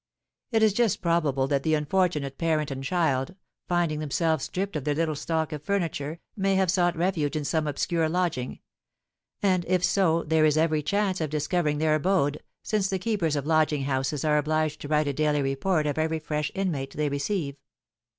It is just probable that the unfortunate parent and child, finding themselves stripped of their little stock of furniture, may have sought refuge in some obscure lodging; and if so, there is every chance of discovering their abode, since the keepers of lodging houses are obliged to write a daily report of every fresh inmate they receive."